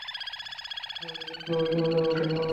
মহিলাদের পুরো প্রজন্মটাই এমনই।